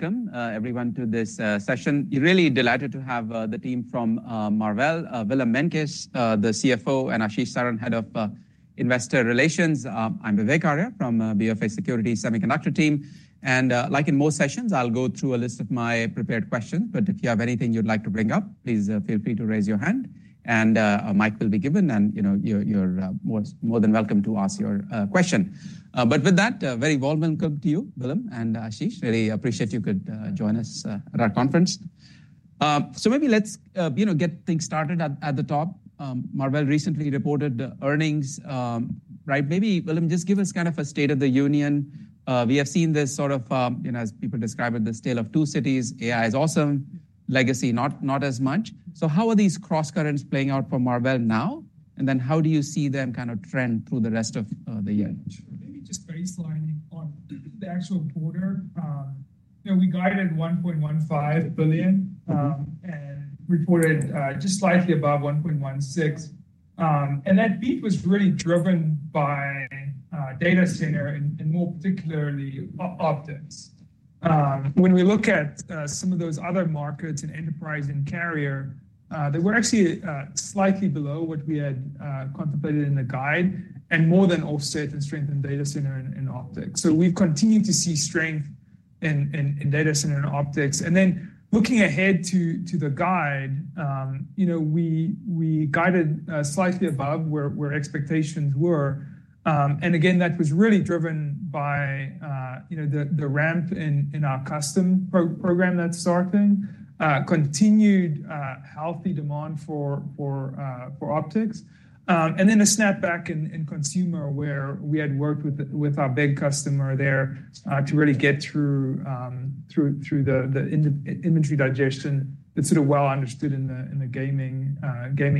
Welcome, everyone, to this session. We're really delighted to have the team from Marvell, Willem Meintjes, the CFO, and Ashish Saran, Head of Investor Relations. I'm Vivek Arya from BofA Securities Semiconductor team, and, like in most sessions, I'll go through a list of my prepared questions, but if you have anything you'd like to bring up, please feel free to raise your hand, and a mic will be given, and, you know, you're more than welcome to ask your question. But with that, a very warm welcome to you, Willem and Ashish. Really appreciate you could join us at our conference. So maybe let's, you know, get things started at the top. Marvell recently reported the earnings, right? Maybe, Willem, just give us kind of a state of the union. We have seen this sort of, you know, as people describe it, this tale of two cities. AI is awesome, legacy, not, not as much. So how are these crosscurrents playing out for Marvell now? And then how do you see them kind of trend through the rest of the year? Maybe just baselining on the actual quarter. You know, we guided $1.15 billion. Mm-hmm. - and reported just slightly above $1.16. And that beat was really driven by data center and, and more particularly, optics. When we look at some of those other markets in enterprise and carrier, they were actually slightly below what we had contemplated in the guide and more than offset and strengthened data center and optics. So we've continued to see strength in data center and optics. And then looking ahead to the guide, you know, we guided slightly above where expectations were. And again, that was really driven by, you know, the ramp in our custom program, that starting continued healthy demand for optics, and then a snapback in consumer where we had worked with our big customer there to really get through the inventory digestion that's sort of well understood in the gaming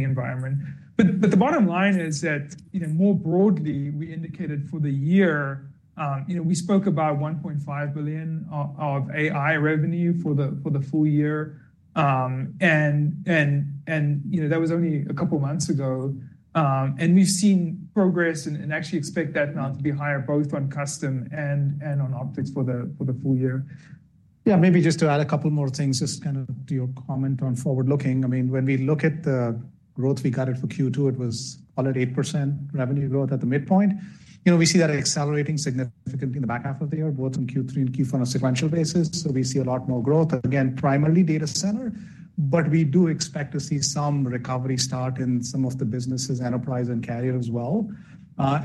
environment. But the bottom line is that, you know, more broadly, we indicated for the year, you know, we spoke about $1.5 billion of AI revenue for the full year. You know, that was only a couple of months ago, and we've seen progress and actually expect that now to be higher, both on custom and on optics for the full year. Yeah, maybe just to add a couple more things, just kind of to your comment on forward-looking. I mean, when we look at the growth we guided for Q2, it was call it 8% revenue growth at the midpoint. You know, we see that accelerating significantly in the back half of the year, both in Q3 and Q4 on a sequential basis, so we see a lot more growth. Again, primarily data center, but we do expect to see some recovery start in some of the businesses, enterprise and carrier as well,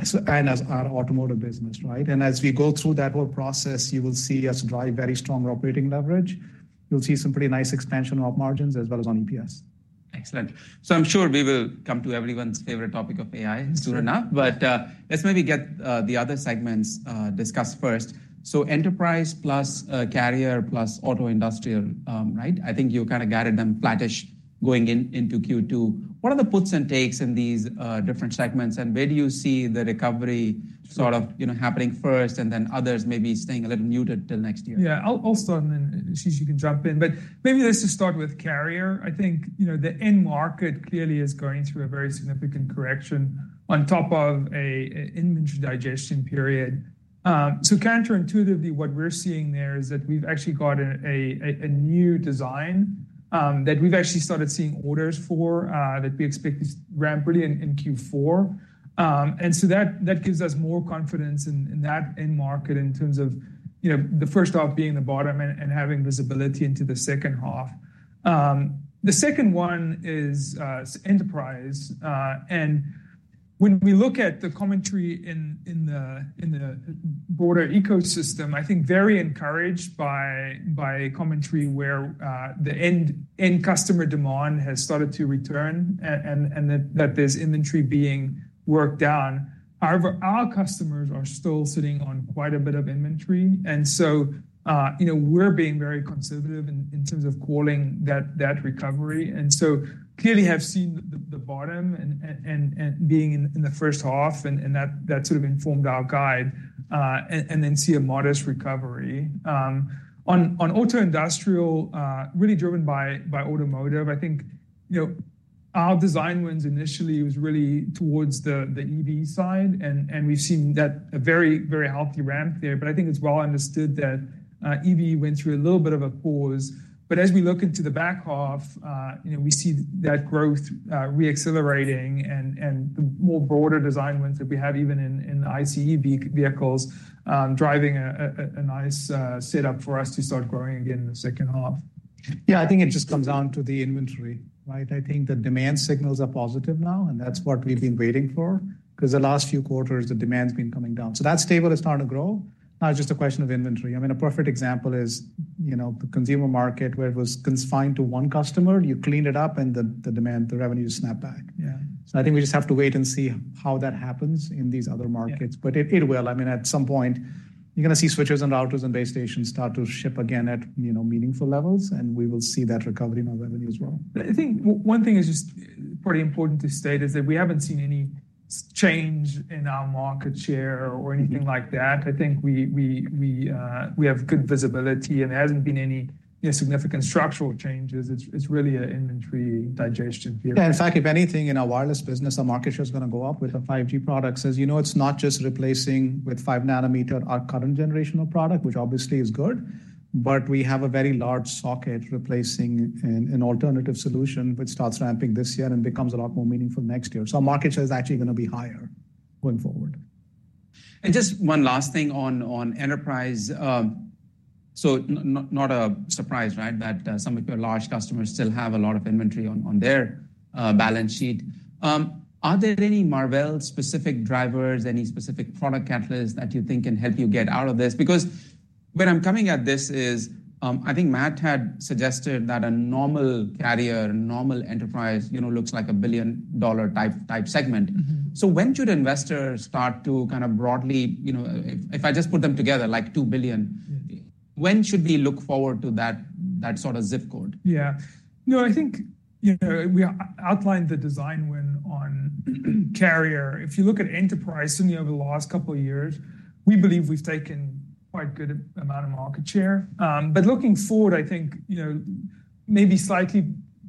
so, and as our automotive business, right? And as we go through that whole process, you will see us drive very strong operating leverage. You'll see some pretty nice expansion of margins as well as on EPS. Excellent. So I'm sure we will come to everyone's favorite topic of AI soon enough, but, let's maybe get the other segments discussed first. So enterprise plus carrier plus auto industrial, right? I think you kind of guided them flattish going in, into Q2. What are the puts and takes in these different segments, and where do you see the recovery sort of, you know, happening first and then others maybe staying a little muted till next year? Yeah. I'll start, and then, Ashish, you can jump in. But maybe let's just start with carrier. I think, you know, the end market clearly is going through a very significant correction on top of an inventory digestion period. So counterintuitively, what we're seeing there is that we've actually got a new design that we've actually started seeing orders for that we expect to ramp pretty in Q4. And so that gives us more confidence in that end market in terms of, you know, the first half being the bottom end and having visibility into the second half. The second one is enterprise. And when we look at the commentary in the broader ecosystem, I think very encouraged by commentary where the end customer demand has started to return and that there's inventory being worked down. However, our customers are still sitting on quite a bit of inventory, and so, you know, we're being very conservative in terms of calling that recovery. And so clearly have seen the bottom and being in the first half and that sort of informed our guide, and then see a modest recovery. On auto industrial, really driven by automotive. I think, you know, our design wins initially was really towards the EV side, and we've seen that a very healthy ramp there. But I think it's well understood that EV went through a little bit of a pause. But as we look into the back half, you know, we see that growth re-accelerating and more broader design wins that we have even in ICE vehicles, driving a nice set up for us to start growing again in the second half. Yeah, I think it just comes down to the inventory, right? I think the demand signals are positive now, and that's what we've been waiting for. 'Cause the last few quarters, the demand's been coming down. So that stable is starting to grow. Now it's just a question of inventory. I mean, a perfect example is, you know, the consumer market, where it was confined to one customer. You clean it up, and the demand, the revenue snap back. Yeah. I think we just have to wait and see how that happens in these other markets. Yeah. But it, it will. I mean, at some point, you're gonna see switches and routers and base stations start to ship again at, you know, meaningful levels, and we will see that recovery in our revenue as well. I think one thing is just pretty important to state is that we haven't seen any change in our market share or anything like that. I think we have good visibility, and there hasn't been any significant structural changes. It's really an inventory digestion period. Yeah, in fact, if anything, in our wireless business, our market share is gonna go up with the 5G products. As you know, it's not just replacing with 5 nanometer our current generational product, which obviously is good, but we have a very large socket replacing an alternative solution, which starts ramping this year and becomes a lot more meaningful next year. So our market share is actually gonna be higher going forward. Just one last thing on enterprise. So not a surprise, right, that some of your large customers still have a lot of inventory on their balance sheet. Are there any Marvell-specific drivers, any specific product catalysts that you think can help you get out of this? Because where I'm coming at this is, I think Matt had suggested that a normal carrier, a normal enterprise, you know, looks like a billion-dollar type segment. Mm-hmm. When should investors start to kind of broadly, you know, if I just put them together, like $2 billion- Yeah. When should we look forward to that, that sort of zip code? Yeah. No, I think, you know, we outlined the design win on carrier. If you look at enterprise, you know, over the last couple of years, we believe we've taken quite good amount of market share. But looking forward, I think, you know, maybe slightly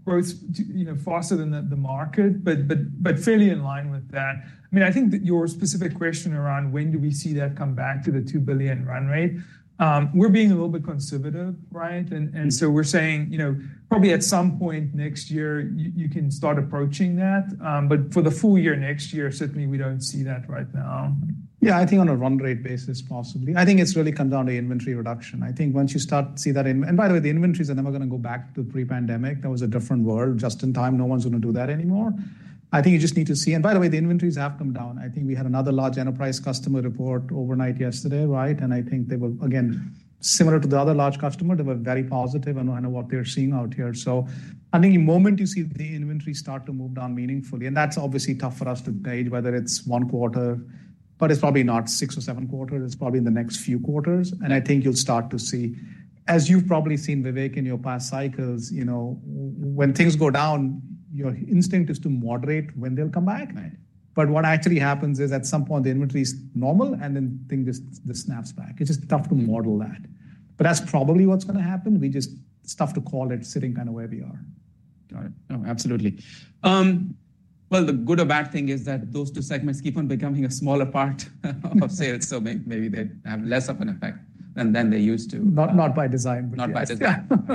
growth, you know, faster than the market, but fairly in line with that. I mean, I think that your specific question around when do we see that come back to the $2 billion run rate, we're being a little bit conservative, right? Mm-hmm. So we're saying, you know, probably at some point next year, you can start approaching that. But for the full year next year, certainly we don't see that right now. Yeah, I think on a run rate basis, possibly. I think it's really come down to inventory reduction. I think once you start to see that in - and by the way, the inventories are never gonna go back to pre-pandemic. That was a different world. Just in time, no one's gonna do that anymore. I think you just need to see - and by the way, the inventories have come down. I think we had another large enterprise customer report overnight yesterday, right? And I think they were, again, similar to the other large customer, they were very positive on, on what they're seeing out here. So I think the moment you see the inventory start to move down meaningfully, and that's obviously tough for us to gauge whether it's one quarter, but it's probably not six or seven quarters. It's probably in the next few quarters. I think you'll start to see, as you've probably seen, Vivek, in your past cycles, you know, when things go down, your instinct is to moderate when they'll come back. Right. But what actually happens is, at some point, the inventory is normal, and then thing just, just snaps back. It's just tough to model that. But that's probably what's gonna happen. We just... It's tough to call it sitting kind of where we are. Got it. No, absolutely. Well, the good or bad thing is that those two segments keep on becoming a smaller part of sales, so maybe they have less of an effect than they used to. Not, not by design, but yes. Not by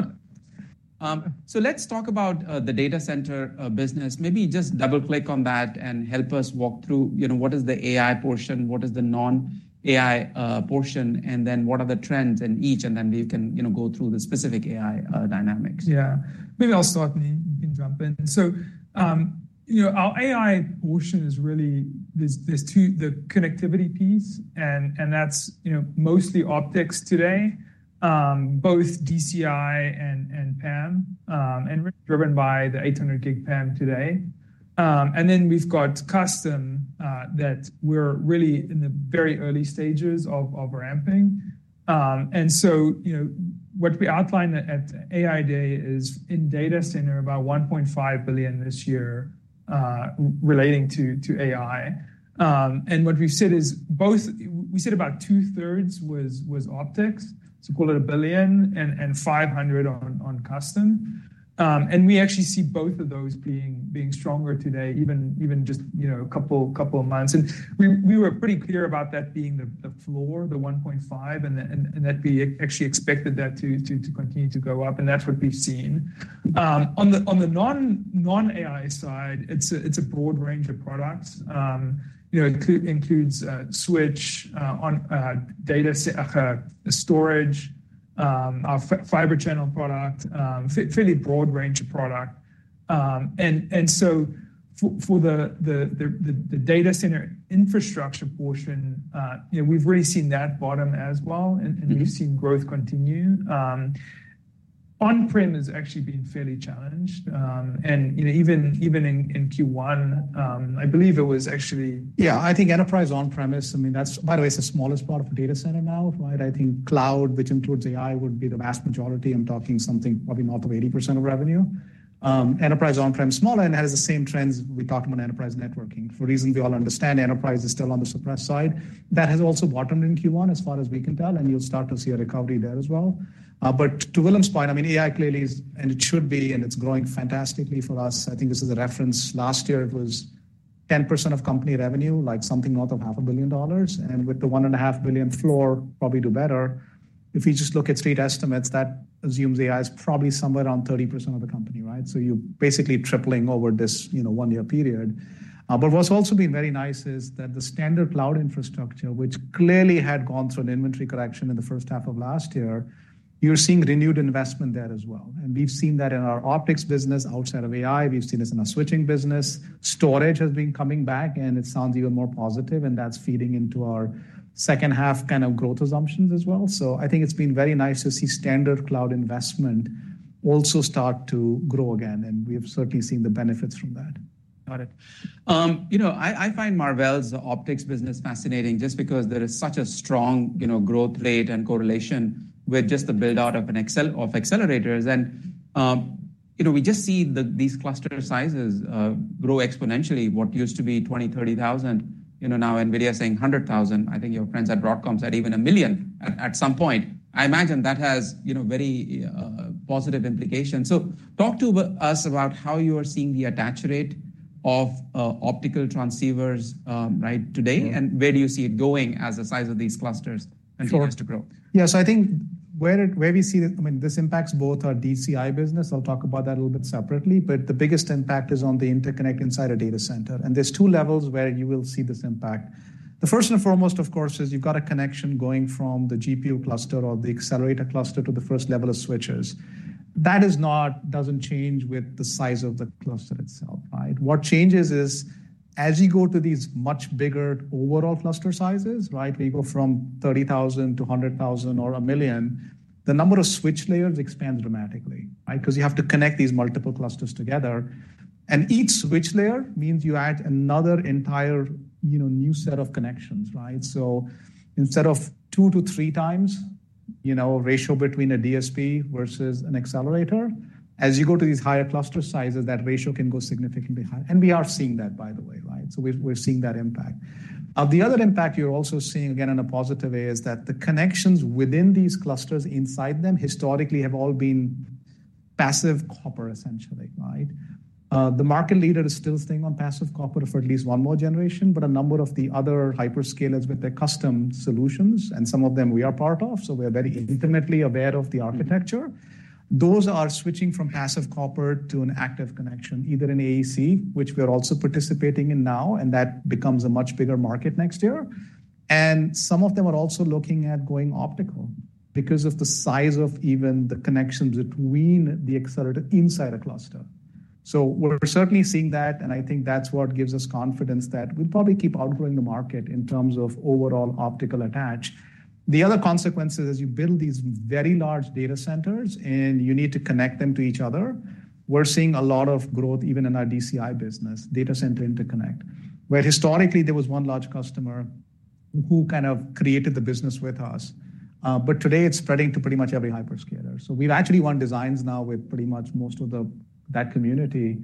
design. So let's talk about the data center business. Maybe just double-click on that and help us walk through, you know, what is the AI portion, what is the non-AI portion, and then what are the trends in each, and then we can, you know, go through the specific AI dynamics. Yeah. Maybe I'll start, and you can jump in. So, you know, our AI portion is really there's two, the connectivity piece, and that's, you know, mostly optics today, both DCI and PAM, and driven by the 800G PAM today. And then we've got custom that we're really in the very early stages of ramping. And so, you know, what we outlined at AI Day is in data center, about $1.5 billion this year, relating to AI. And what we've said is both—we said about two-thirds was optics, so call it $1 billion, and $500 million on custom. And we actually see both of those being stronger today, even just, you know, a couple of months. We were pretty clear about that being the floor, the $1.5, and that we actually expected that to continue to go up, and that's what we've seen. On the non-AI side, it's a broad range of products. You know, it includes switch on data center storage, Fiber Channel product, fairly broad range of product. And so for the data center infrastructure portion, you know, we've really seen that bottom as well, and- Mm-hmm... and we've seen growth continue. On-prem has actually been fairly challenged. And, you know, even in Q1, I believe it was actually- Yeah, I think enterprise on-premise, I mean, that's, by the way, it's the smallest part of a data center now, right? I think cloud, which includes AI, would be the vast majority. I'm talking something probably north of 80% of revenue. Enterprise on-prem, smaller, and has the same trends we talked about in enterprise networking. For reasons we all understand, enterprise is still on the suppressed side. That has also bottomed in Q1, as far as we can tell, and you'll start to see a recovery there as well. But to Willem's point, I mean, AI clearly is, and it should be, and it's growing fantastically for us. I think this is a reference. Last year, it was 10% of company revenue, like something north of $500 million, and with the $1.5 billion floor, probably do better. If you just look at street estimates, that assumes AI is probably somewhere around 30% of the company, right? So you're basically tripling over this, you know, one-year period. But what's also been very nice is that the standard cloud infrastructure, which clearly had gone through an inventory correction in the first half of last year, you're seeing renewed investment there as well. And we've seen that in our optics business outside of AI. We've seen this in our switching business. Storage has been coming back, and it sounds even more positive, and that's feeding into our second half kind of growth assumptions as well. So I think it's been very nice to see standard cloud investment also start to grow again, and we have certainly seen the benefits from that. Got it. You know, I find Marvell's optics business fascinating just because there is such a strong, you know, growth rate and correlation with just the build-out of accelerators. You know, we just see these cluster sizes grow exponentially. What used to be 20,000-30,000, you know, now NVIDIA is saying 100,000. I think your friends at Broadcom said even 1,000,000 at some point. I imagine that has, you know, very positive implications. So talk to us about how you are seeing the attach rate of optical transceivers, right, today, and where do you see it going as the size of these clusters continues to grow? Yeah, so I think where we see the... I mean, this impacts both our DCI business. I'll talk about that a little bit separately, but the biggest impact is on the interconnect inside a data center. And there's two levels where you will see this impact. The first and foremost, of course, is you've got a connection going from the GPU cluster or the accelerator cluster to the first level of switches. That is not—doesn't change with the size of the cluster itself, right? What changes is, as you go to these much bigger overall cluster sizes, right, where you go from 30,000 to 100,000 or 1 million, the number of switch layers expands dramatically, right? Because you have to connect these multiple clusters together, and each switch layer means you add another entire, you know, new set of connections, right? So instead of 2-3x, you know, a ratio between a DSP versus an accelerator, as you go to these higher cluster sizes, that ratio can go significantly higher. And we are seeing that, by the way, right? So we've, we're seeing that impact. The other impact you're also seeing, again, in a positive way, is that the connections within these clusters inside them historically have all been passive copper, essentially, right? The market leader is still staying on passive copper for at least one more generation, but a number of the other hyperscalers with their custom solutions, and some of them we are part of, so we are very intimately aware of the architecture. Those are switching from passive copper to an active connection, either an AEC, which we are also participating in now, and that becomes a much bigger market next year. Some of them are also looking at going optical because of the size of even the connections between the accelerator inside a cluster. So we're certainly seeing that, and I think that's what gives us confidence that we'll probably keep outgrowing the market in terms of overall optical attach. The other consequence is, as you build these very large data centers, and you need to connect them to each other, we're seeing a lot of growth even in our DCI business, data center interconnect, where historically there was one large customer who kind of created the business with us. But today it's spreading to pretty much every hyperscaler. So we've actually won designs now with pretty much most of that community,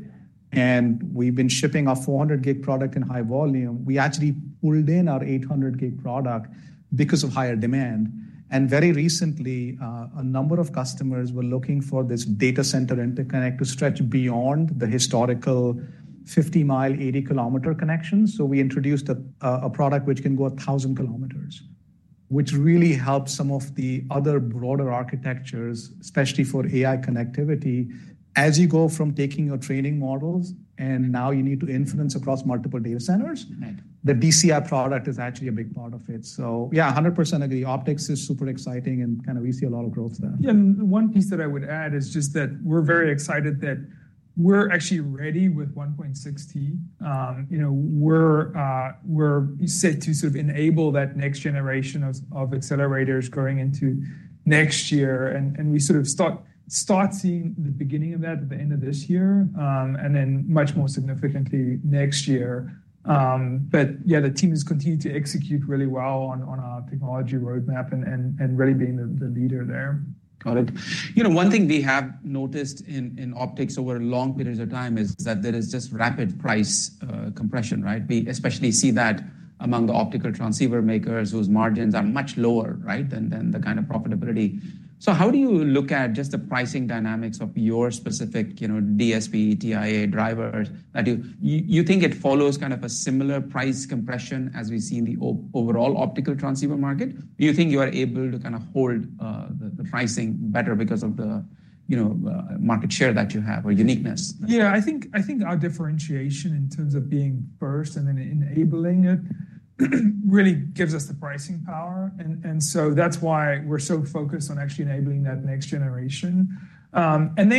and we've been shipping our 400 gig product in high volume. We actually pulled in our 800G product because of higher demand, and very recently, a number of customers were looking for this data center interconnect to stretch beyond the historical 50-mile, 80-kilometer connections. So we introduced a product which can go 1,000 kilometers, which really helps some of the other broader architectures, especially for AI connectivity, as you go from taking your training models and now you need to inference across multiple data centers- Right. The DCI product is actually a big part of it. So yeah, 100% of the optics is super exciting and kind of we see a lot of growth there. Yeah, and one piece that I would add is just that we're very excited that we're actually ready with 1.6 T. You know, we're set to sort of enable that next generation of accelerators going into next year, and we sort of start seeing the beginning of that at the end of this year, and then much more significantly next year. But yeah, the team has continued to execute really well on our technology roadmap and really being the leader there. Got it. You know, one thing we have noticed in optics over long periods of time is that there is just rapid price compression, right? We especially see that among the optical transceiver makers, whose margins are much lower, right, than the kind of profitability. So how do you look at just the pricing dynamics of your specific, you know, DSP, TIA, driver? You think it follows kind of a similar price compression as we see in the overall optical transceiver market? Do you think you are able to kind of hold the pricing better because of the, you know, market share that you have or uniqueness? Yeah, I think our differentiation in terms of being first and then enabling it really gives us the pricing power, and so that's why we're so focused on actually enabling that next generation. And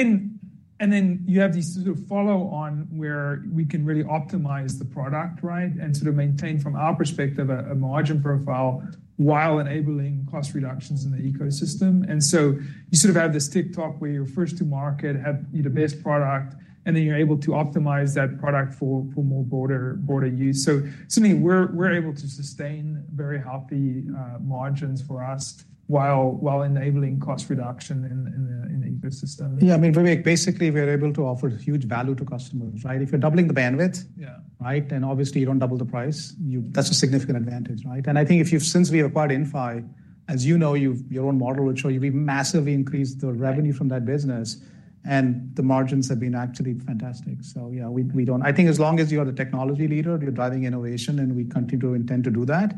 then you have these sort of follow-on where we can really optimize the product, right? And sort of maintain, from our perspective, a margin profile while enabling cost reductions in the ecosystem. And so you sort of have this tick-tock, where you're first to market, have you know the best product, and then you're able to optimize that product for more broader use. So certainly, we're able to sustain very healthy margins for us, while enabling cost reduction in the ecosystem. Yeah, I mean, we're basically able to offer huge value to customers, right? If you're doubling the bandwidth- Yeah. Right, then obviously you don't double the price. That's a significant advantage, right? And I think since we acquired Inphi, as you know, your own model would show you, we've massively increased the revenue- Right... from that business, and the margins have been actually fantastic. So yeah, we don't. I think as long as you are the technology leader, you're driving innovation, and we continue to intend to do that.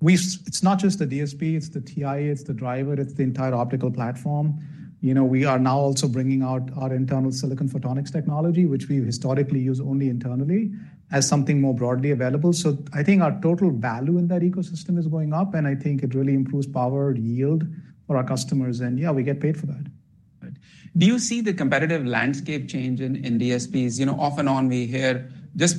We've. It's not just the DSP, it's the TIA, it's the driver, it's the entire optical platform. You know, we are now also bringing out our internal silicon photonics technology, which we historically use only internally, as something more broadly available. So I think our total value in that ecosystem is going up, and I think it really improves power yield for our customers, and yeah, we get paid for that. Right. Do you see the competitive landscape changing in DSPs? You know, off and on, we hear just.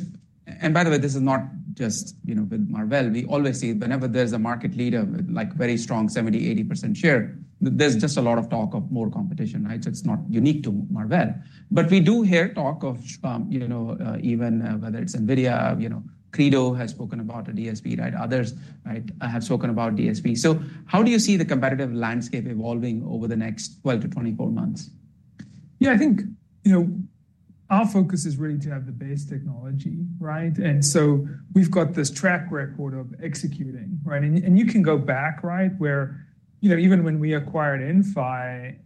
And by the way, this is not just, you know, with Marvell. We always see whenever there's a market leader, like very strong, 70%-80% share, there's just a lot of talk of more competition, right? So it's not unique to Marvell. But we do hear talk of, you know, even whether it's NVIDIA, you know, Credo has spoken about a DSP, right? Others, right, have spoken about DSP. So how do you see the competitive landscape evolving over the next 12-24 months? ... Yeah, I think, you know, our focus is really to have the base technology, right? And so we've got this track record of executing, right? And you can go back, right, where, you know, even when we acquired Inphi,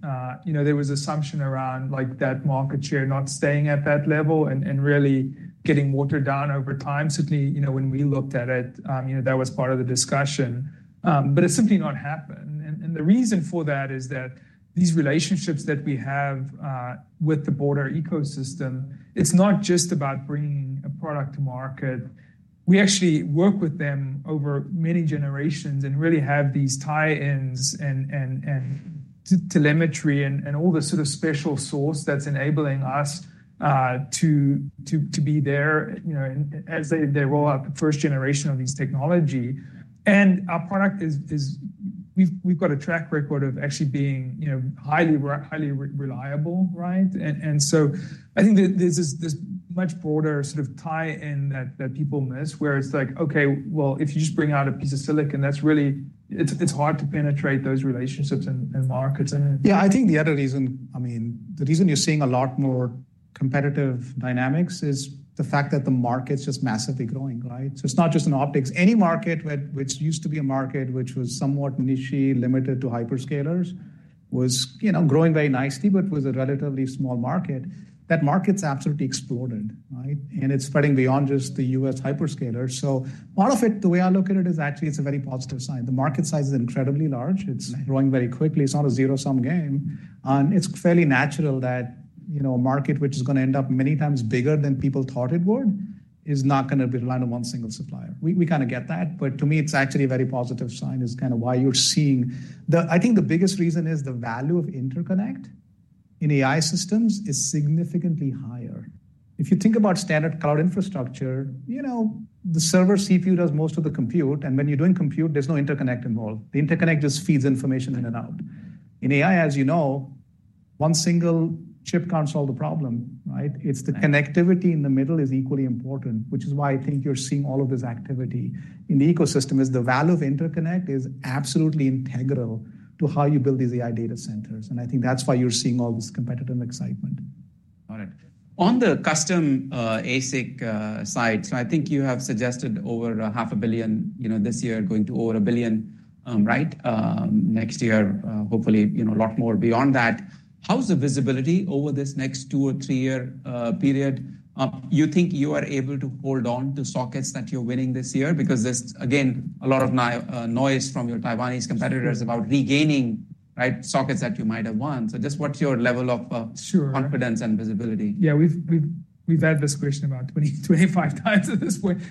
you know, there was assumption around like that market share not staying at that level and really getting watered down over time. Certainly, you know, when we looked at it, you know, that was part of the discussion, but it's simply not happened. And the reason for that is that these relationships that we have with the broader ecosystem, it's not just about bringing a product to market. We actually work with them over many generations and really have these tie-ins and telemetry and all this sort of special sauce that's enabling us to be there, you know, as they roll out the first generation of these technology. And our product is we've got a track record of actually being, you know, highly reliable, right? And so I think there's this much broader sort of tie-in that people miss, where it's like, okay, well, if you just bring out a piece of silicon, that's really... It's hard to penetrate those relationships and markets. Yeah, I think the other reason, I mean, the reason you're seeing a lot more competitive dynamics is the fact that the market's just massively growing, right? So it's not just in optics. Any market which used to be a market which was somewhat niche, limited to hyperscalers, was, you know, growing very nicely, but was a relatively small market. That market's absolutely exploded, right? And it's spreading beyond just the U.S. hyperscalers. So part of it, the way I look at it, is actually it's a very positive sign. The market size is incredibly large. Right. It's growing very quickly. It's not a zero-sum game, and it's fairly natural that, you know, a market which is gonna end up many times bigger than people thought it would, is not gonna be reliant on one single supplier. We, we kinda get that, but to me, it's actually a very positive sign, is kinda why you're seeing. The, I think, the biggest reason is the value of interconnect in AI systems is significantly higher. If you think about standard cloud infrastructure, you know, the server CPU does most of the compute, and when you're doing compute, there's no interconnect involved. The interconnect just feeds information in and out. In AI, as you know, one single chip can't solve the problem, right? Right. It's the connectivity in the middle is equally important, which is why I think you're seeing all of this activity in the ecosystem, is the value of interconnect is absolutely integral to how you build these AI data centers, and I think that's why you're seeing all this competitive excitement. All right. On the custom, ASIC, side, so I think you have suggested over $500 million, you know, this year, going to over $1 billion, right? Next year, hopefully, you know, a lot more beyond that. How's the visibility over this next two- or three-year period? You think you are able to hold on to sockets that you're winning this year? Because there's, again, a lot of noise from your Taiwanese competitors about regaining, right, sockets that you might have won. So just what's your level of, Sure. Confidence and visibility? Yeah, we've had this question about 25x at this point.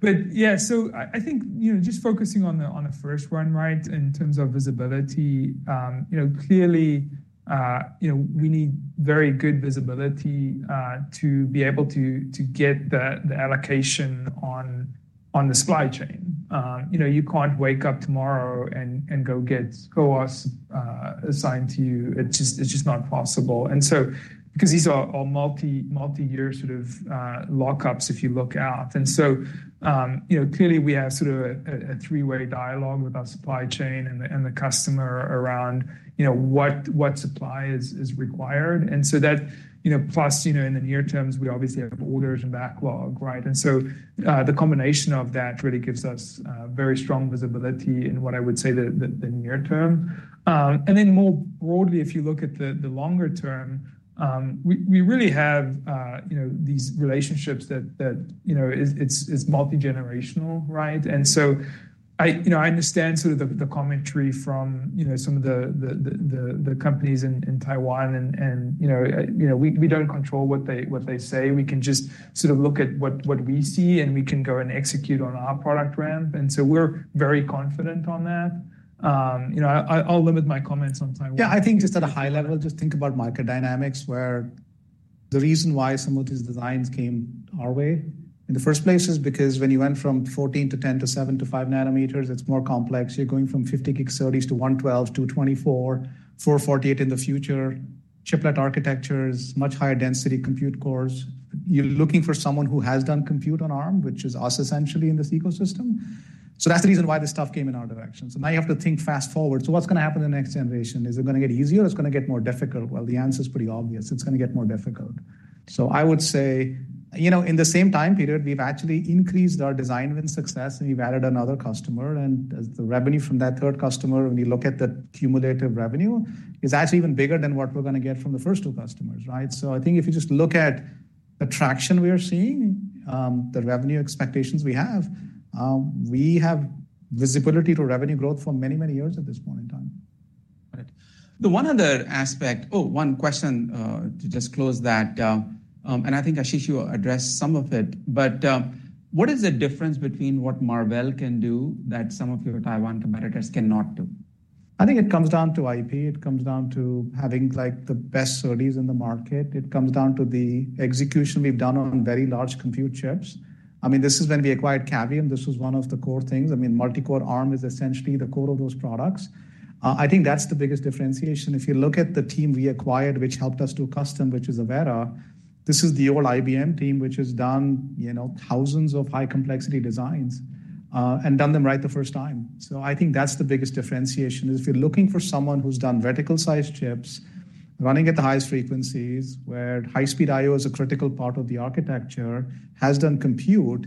But yeah, so I think, you know, just focusing on a first run, right, in terms of visibility, you know, clearly, you know, we need very good visibility to be able to get the allocation on the supply chain. You know, you can't wake up tomorrow and go get CoWoS assigned to you. It's just, it's just not possible. And so because these are all multi-year sort of lockups if you look out. And so, you know, clearly we have sort of a three-way dialogue with our supply chain and the customer around, you know, what supply is required. And so that... You know, plus, you know, in the near terms, we obviously have orders and backlog, right? And so, the combination of that really gives us very strong visibility in what I would say the near term. And then more broadly, if you look at the longer term, we really have, you know, these relationships that, you know, is multigenerational, right? And so I, you know, I understand sort of the commentary from, you know, some of the companies in Taiwan and, you know, we don't control what they say. We can just sort of look at what we see, and we can go and execute on our product ramp, and so we're very confident on that. You know, I, I'll limit my comments on Taiwan. Yeah, I think just at a high level, just think about market dynamics, where the reason why some of these designs came our way in the first place is because when you went from 14 to 10 to 7 to 5 nanometers, it's more complex. You're going from 50 gig SoCs to 112 to 224, 448 in the future. Chiplet architecture is much higher density compute cores. You're looking for someone who has done compute on Arm, which is us, essentially, in this ecosystem. So that's the reason why this stuff came in our direction. So now you have to think fast forward. So what's gonna happen in the next generation? Is it gonna get easier, or it's gonna get more difficult? Well, the answer is pretty obvious. It's gonna get more difficult. I would say, you know, in the same time period, we've actually increased our design win success, and we've added another customer, and as the revenue from that third customer, when we look at the cumulative revenue, is actually even bigger than what we're gonna get from the first two customers, right? I think if you just look at the traction we are seeing, the revenue expectations we have, we have visibility to revenue growth for many, many years at this point in time. Got it. The one other aspect... Oh, one question, to just close that, and I think, Ashish, you addressed some of it, but, what is the difference between what Marvell can do that some of your Taiwan competitors cannot do? I think it comes down to IP. It comes down to having, like, the best SoCs in the market. It comes down to the execution we've done on very large compute chips. I mean, this is when we acquired Cavium. This was one of the core things. I mean, multi-core Arm is essentially the core of those products. I think that's the biggest differentiation. If you look at the team we acquired, which helped us do custom, which is Avera, this is the old IBM team, which has done, you know, thousands of high-complexity designs, and done them right the first time. So I think that's the biggest differentiation, is if you're looking for someone who's done reticle-sized chips, running at the highest frequencies, where high-speed I/O is a critical part of the architecture, has done compute,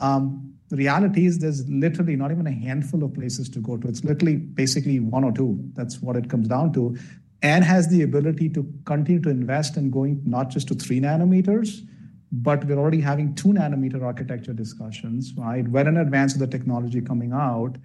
the reality is there's literally not even a handful of places to go to. It's literally basically one or two. That's what it comes down to, and has the ability to continue to invest in going not just to 3 nanometers, but we're already having 2-nanometer architecture discussions, right? We're in advance of the technology coming out.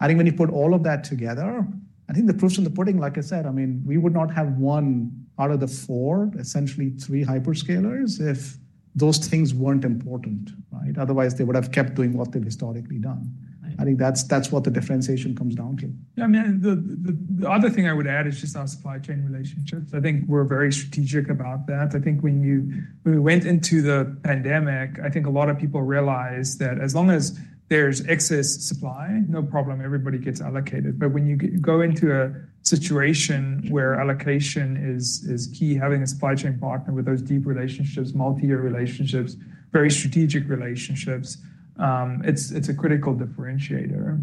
I think when you put all of that together, I think the proof is in the pudding, like I said, I mean, we would not have one out of the 4, essentially 3 hyperscalers, if those things weren't important, right? Otherwise, they would have kept doing what they've historically done. I think that's, that's what the differentiation comes down to. Yeah, I mean, the other thing I would add is just our supply chain relationships. I think we're very strategic about that. I think when we went into the pandemic, I think a lot of people realized that as long as there's excess supply, no problem, everybody gets allocated. But when you go into a situation where allocation is key, having a supply chain partner with those deep relationships, multi-year relationships, very strategic relationships, it's a critical differentiator.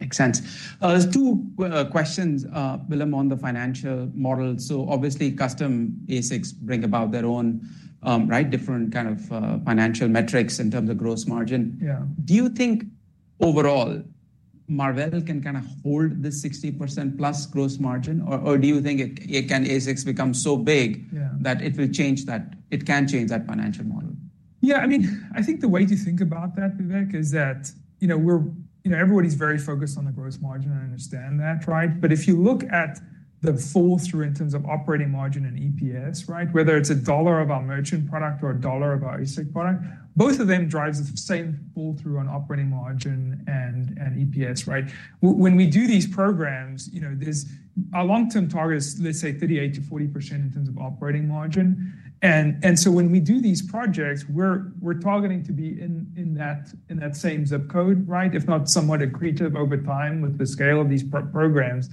Makes sense. There's two questions, Willem, on the financial model. Obviously, custom ASICs bring about their own, right, different kind of financial metrics in terms of gross margin. Yeah. Do you think overall, Marvell can hold this 60% plus gross margin, or do you think it can ASICs become so big- Yeah... that it will change that—it can change that financial model? Yeah, I mean, I think the way to think about that, Vivek, is that, you know, we're, you know, everybody's very focused on the gross margin, I understand that, right? But if you look at the flow-through in terms of operating margin and EPS, right? Whether it's a dollar of our merchant product or a dollar of our ASIC product, both of them drives the same pull-through on operating margin and, and EPS, right? When we do these programs, you know, there's our long-term target is, let's say, 38%-40% in terms of operating margin. And, and so when we do these projects, we're, we're targeting to be in, in that, in that same zip code, right? If not somewhat accretive over time with the scale of these programs.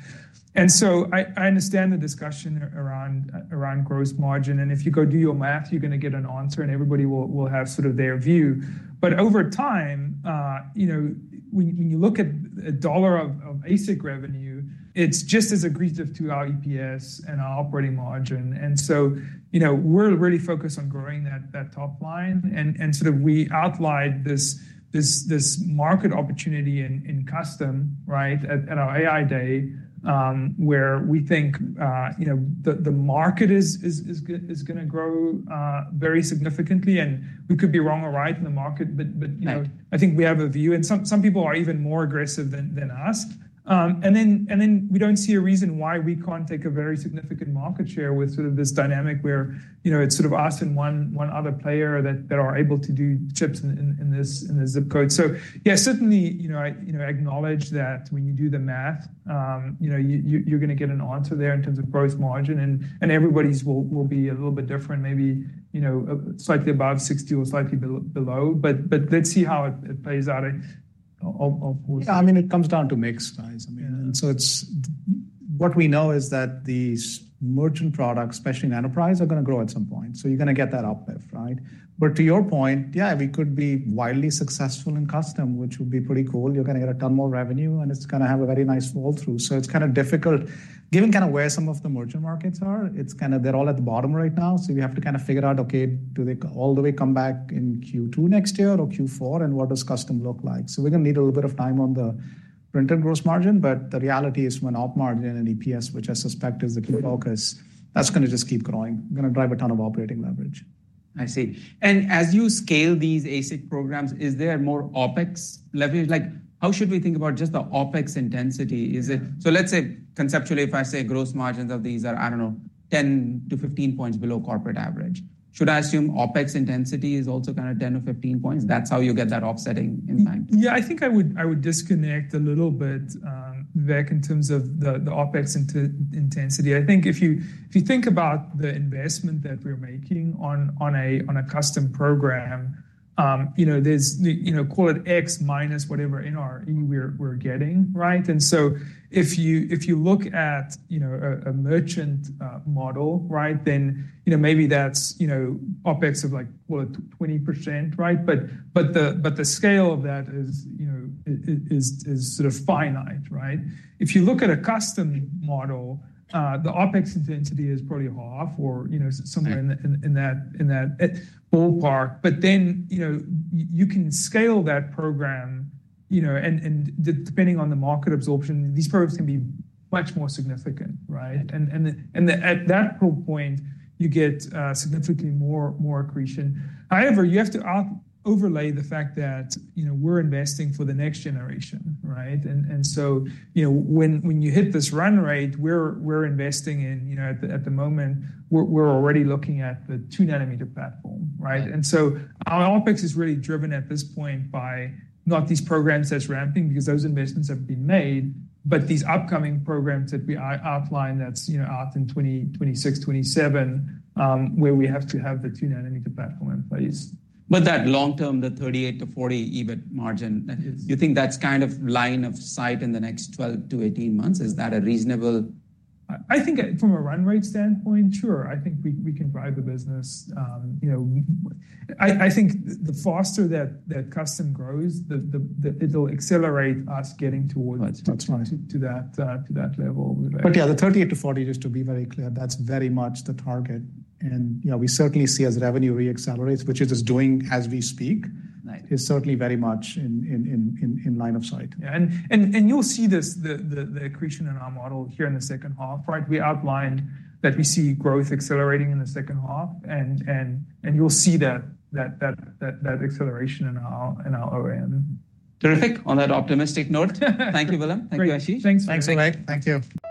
I understand the discussion around gross margin, and if you go do your math, you're gonna get an answer and everybody will have sort of their view. Over time, you know, when you look at a dollar of ASIC revenue, it's just as accretive to our EPS and our operating margin. You know, we're really focused on growing that top line. So we outlined this market opportunity in custom, right, at our AI Day, where we think, you know, the market is gonna grow very significantly, and we could be wrong or right in the market, but- Right... you know, I think we have a view, and some people are even more aggressive than us. And then we don't see a reason why we can't take a very significant market share with sort of this dynamic where, you know, it's sort of us and one other player that are able to do chips in this zip code. So yeah, certainly, you know, I you know, acknowledge that when you do the math, you know, you're gonna get an answer there in terms of gross margin and everybody's will be a little bit different, maybe, you know, slightly above 60% or slightly below, but let's see how it plays out, of course. Yeah, I mean, it comes down to mix size. I mean, so it's what we know is that these merchant products, especially in enterprise, are gonna grow at some point, so you're gonna get that uplift, right? But to your point, yeah, we could be widely successful in custom, which would be pretty cool. You're gonna get a ton more revenue, and it's gonna have a very nice fall-through. So it's kind of difficult given kind of where some of the merchant markets are, it's kind of they're all at the bottom right now, so we have to kind of figure out, okay, do they all the way come back in Q2 next year or Q4, and what does custom look like? So, we're gonna need a little bit of time on the printed gross margin, but the reality is when op margin and EPS, which I suspect is the key focus, that's gonna just keep growing, gonna drive a ton of operating leverage. I see. And as you scale these ASIC programs, is there more OpEx leverage? Like, how should we think about just the OpEx intensity? Is it? So let's say, conceptually, if I say gross margins of these are, I don't know, 10-15 points below corporate average, should I assume OpEx intensity is also kind of 10 or 15 points? That's how you get that offsetting impact. Yeah, I think I would, I would disconnect a little bit back in terms of the OpEx intensity. I think if you, if you think about the investment that we're making on, on a custom program, you know, call it X minus whatever NRE we're, we're getting, right? And so if you, if you look at, you know, a merchant model, right? Then, you know, maybe that's, you know, OpEx of like, what, 20%, right? But, but the scale of that is, you know, is, is, is sort of finite, right? If you look at a custom model, the OpEx intensity is probably half or, you know, something- Right... in that ballpark. But then, you know, you can scale that program, you know, and depending on the market absorption, these programs can be much more significant, right? Right. And at that point, you get significantly more accretion. However, you have to overlay the fact that, you know, we're investing for the next generation, right? And so, you know, when you hit this run rate, we're investing in, you know, at the moment, we're already looking at the 2-nanometer platform, right? Right. Our OpEx is really driven at this point by not these programs that's ramping, because those investments have been made, but these upcoming programs that we outline, that's, you know, out in 2026, 2027, where we have to have the 2-nanometer platform in place. But that long-term, the 38%-40% EBIT margin- It is... you think that's kind of line of sight in the next 12-18 months? Is that a reasonable... I think from a run rate standpoint, sure, I think we can drive the business. You know, I think the faster that custom grows, the-- it'll accelerate us getting towards- That's right... to that, to that level, right. But yeah, the 38-40, just to be very clear, that's very much the target. And, you know, we certainly see as revenue re-accelerates, which it is doing as we speak- Right... is certainly very much in line of sight. Yeah. And you'll see this, the accretion in our model here in the second half, right? We outlined that we see growth accelerating in the second half, and you'll see that acceleration in our operating Margin. Terrific. On that optimistic note... thank you, Willem. Thank you, Ashish. Thanks. Thanks, Vivek. Thank you.